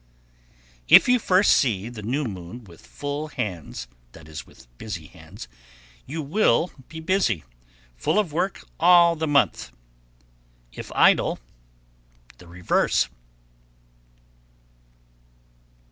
_ 1103. If you first see the new moon with full hands, that is, with busy hands, you will be busy, full of work, all the month; if idle, the reverse.